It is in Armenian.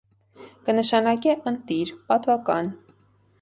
Կը նշանակէ «ընտիր, պատուական»։